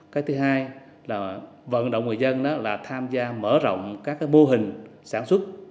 cái thứ hai là vận động người dân là tham gia mở rộng các mô hình sản xuất